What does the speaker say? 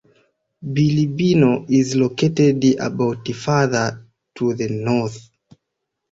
Bilibino is located about further to the north.